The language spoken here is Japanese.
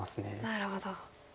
なるほど。